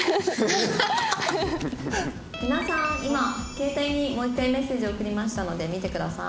「皆さん今携帯にもう一回メッセージを送りましたので見てください」